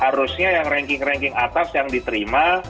harusnya yang ranking ranking atas yang diterima